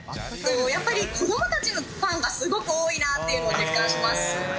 やっぱり子どもたちのファンがすごく多いなっていうのを実感します。